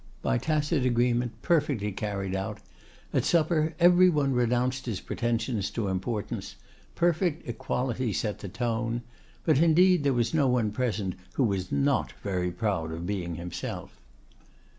By tacit agreement, perfectly carried out, at supper every one renounced his pretensions to importance. Perfect equality set the tone. But indeed there was no one present who was not very proud of being himself.